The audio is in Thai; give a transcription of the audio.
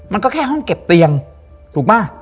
มันก็แค่ห้องเก็บเตียงถูกป่ะ